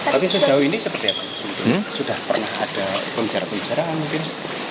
tapi sejauh ini seperti apa sudah pernah ada pembicara pembicaraan mungkin